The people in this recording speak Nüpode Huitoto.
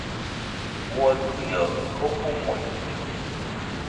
Uaikɨñodɨ jofomo ite.